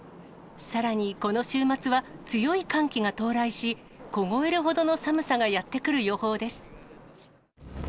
さらにこの週末は、強い寒気が到来し、凍えるほどの寒さがやって来る予報です。